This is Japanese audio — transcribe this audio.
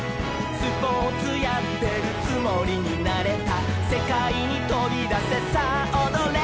「スポーツやってるつもりになれた」「せかいにとびだせさあおどれ」